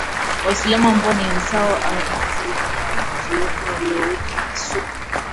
Waislamu ambao ni sawa na asilimia ya wananchi wote Walio wengi ni Wasunni